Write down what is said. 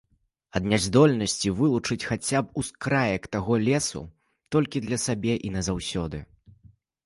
Ад няздольнасці вылучыць хаця б ускраек таго лесу толькі для сабе і назаўсёды.